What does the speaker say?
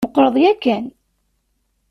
Meqqreḍ yakan.